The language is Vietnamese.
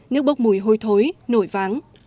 nước bốc mùi hôi thối nổi váng